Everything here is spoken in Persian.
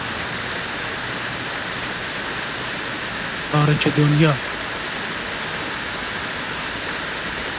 تارکه دنیا